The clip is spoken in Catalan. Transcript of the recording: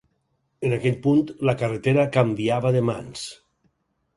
En aquell punt, la carretera canviava de mans.